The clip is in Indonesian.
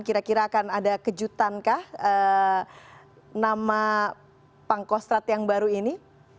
kira kira akan ada kejutankah nama pangkostrat yang baru ini